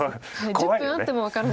１０分あっても分からないです。